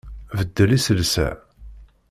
Beddel iselsa!